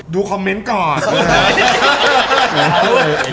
ดูคอมเมนต์ก่อน